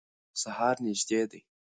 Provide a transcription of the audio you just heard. سهار نږدې دی.